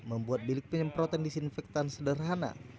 membuat bilik penyemprotan disinfektan sederhana